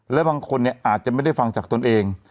และบางคนอาจจะไม่ได้ฟังจากตนเอง